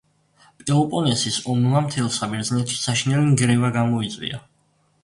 პელოპონესის ომმა მთელ საბერძნეთში საშინელი ნგრევა გამოიწვია.